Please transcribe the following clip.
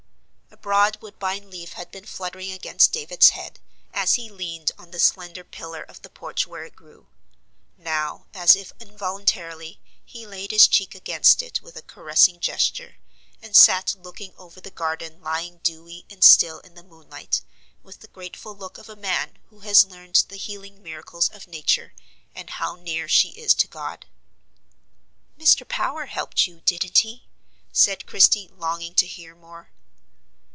A broad woodbine leaf had been fluttering against David's head, as he leaned on the slender pillar of the porch where it grew. Now, as if involuntarily, he laid his cheek against it with a caressing gesture, and sat looking over the garden lying dewy and still in the moonlight, with the grateful look of a man who has learned the healing miracles of Nature and how near she is to God. "Mr. Power helped you: didn't he?" said Christie, longing to hear more.